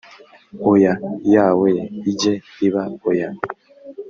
oya yawe ijye iba oya